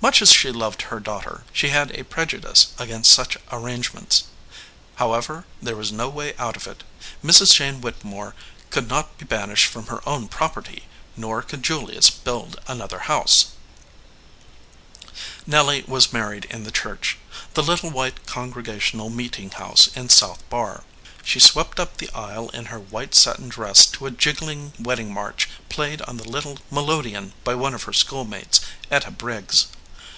Much as she loved her daughter, she had a prejudice against such arrangements. However, there was 191 EDGEWATER PEOPLE no way out of it ; Mrs. Jane Whittemore could not be banished from her own property, nor could Julius build another house. Nelly was married in the church the little white Congregational meeting house in South Barr. She swept up the aisle in her white satin dress to a jiggling wedding march played on the little melo deon by one of her schoolmates, Etta Briggs.